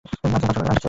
আচ্ছা, কাল সকালে আসছে?